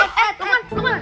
eh teman teman